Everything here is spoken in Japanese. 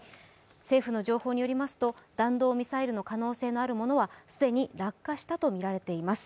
政府の情報によりますと弾道ミサイルの可能性のあるものは既に落下したとみられています。